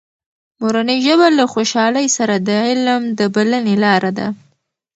مورنۍ ژبه له خوشحالۍ سره د علم د بلنې لاره ده.